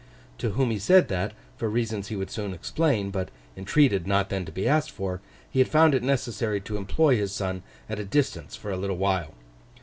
To whom he said that, for reasons he would soon explain, but entreated not then to be asked for, he had found it necessary to employ his son at a distance for a little while.